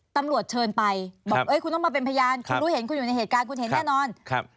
ตำรวจเชิญไปบอกเอ้ยคุณต้องมาเป็นพยานคุณรู้เห็นคุณอยู่ในเหตุการณ์คุณเห็นแน่นอนครับ